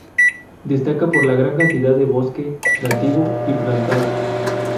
Destaca por la gran cantidad de bosque nativo y plantado.